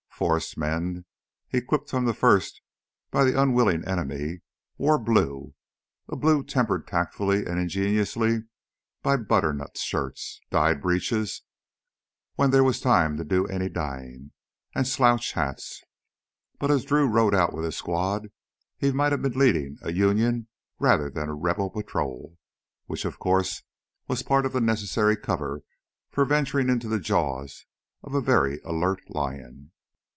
Forrest's men, equipped from the first by the unwilling enemy, wore blue, a blue tempered tactfully and ingeniously by butternut shirts, dyed breeches when there was time to do any dyeing and slouch hats. But as Drew rode out with his squad he might have been leading a Union rather than a Rebel patrol, which, of course, was part of the necessary cover for venturing into the jaws of a very alert lion.